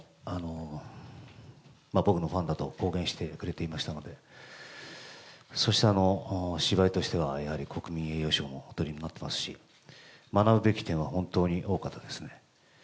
森光子さんは以前から僕のファンだと公言してくれていましたので、そして芝居としてはやはり国民栄誉賞もおとりになってますし、学ぶべき点は本当に多かったですね。